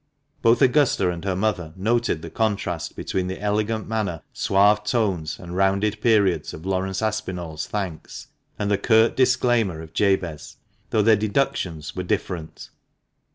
Both Augusta and her mother noted the contrast between the elegant manner, suave tones, and rounded periods of Laurence Aspinall's thanks and the curt disclaimer of Jabez, though their deductions were different.